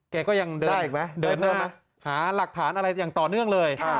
แกก็ยังเดินหาหลักฐานอะไรอย่างต่อเนื่องเลย